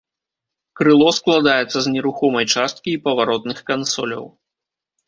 Крыло складаецца з нерухомай часткі і паваротных кансоляў.